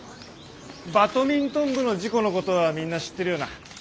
バドミントン部の事故の事はみんな知ってるよな。